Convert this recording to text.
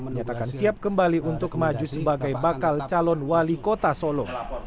menyatakan siap kembali untuk maju sebagai bakal calon wali kota solo